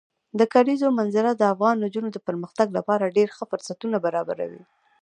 د کلیزو منظره د افغان نجونو د پرمختګ لپاره ډېر ښه فرصتونه برابروي.